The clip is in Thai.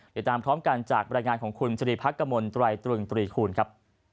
เดี๋ยวตามพร้อมกันจากบรรยายงานของคุณสรีพักกมลตรายตรึงตรีคูณครับ